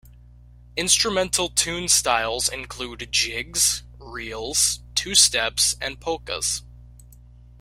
Instrumental tune styles include jigs, reels, two steps, and polkas.